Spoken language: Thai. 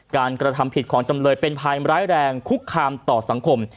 กระทำผิดของจำเลยเป็นภัยร้ายแรงคุกคามต่อสังคม